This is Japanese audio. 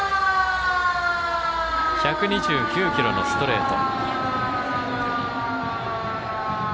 １２９キロのストレート。